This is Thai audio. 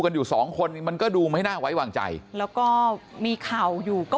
อยู่สองคนมันก็ดูไม่น่าไว้วางใจแล้วก็มีข่าวอยู่ก็